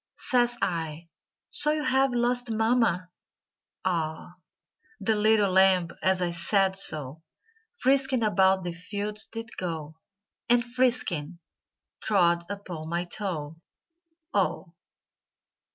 Says I, "So you have lost mama?" "Ah!" The little lamb, as I said so, Frisking about the fields did go, And frisking, trod upon my toe, "Oh!"